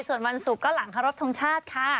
ส่วนวันศุกร์ก็หลังเคารพทงชาติค่ะ